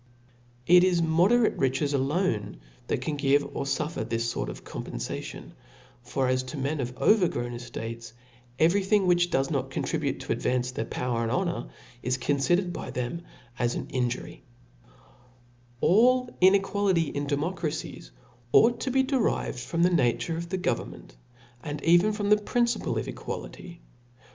It is n^oderat^ riches, ^^Ipne tjhac can give or fufier this fort of compenfat:ians i for as to paen pf over grown eftatcs, every thing which does not contribute to advance their ppwer gqd hgnpr, i^ Qo«6^rcd by them as an injury, AH inequ^ity in demoicracies ought to but dc: rived from the mtture of the government^ ^i^i even from the prioaple of equ^lijt;y.